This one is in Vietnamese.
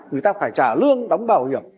người ta phải trả lương đóng bảo hiểm